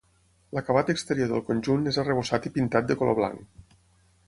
L'acabat exterior del conjunt és arrebossat i pintat de color blanc.